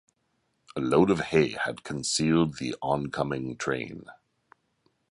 A load of hay had concealed the oncoming train.